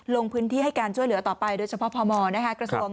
ลงพื้นที่ให้การช่วยเหลือต่อไปโดยเฉพาะพมนะคะกระทรวง